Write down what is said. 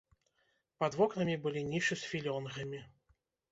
Пад вокнамі былі нішы з філёнгамі.